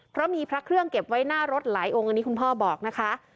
เพราะมีพระเครื่องเก็บไว้หน้ารถหลายองค์อันนี้คุณพ่อบอกนะคะ